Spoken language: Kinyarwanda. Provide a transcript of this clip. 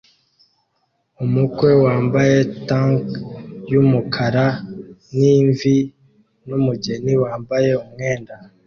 Umukwe wambaye tux yumukara n imvi nu mugeni wambaye umwenda